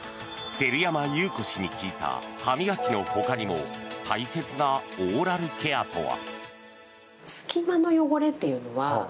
照山裕子氏に聞いた歯磨きのほかにも大切なオーラルケアとは。